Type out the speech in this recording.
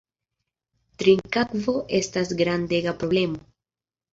Trinkakvo estas grandega problemo.